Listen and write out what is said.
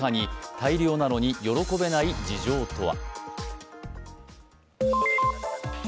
大漁なのに喜べない事情とは。